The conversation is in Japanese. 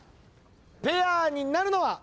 ペアになるのは？